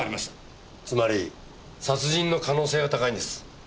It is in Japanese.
つまり殺人の可能性が高いんです。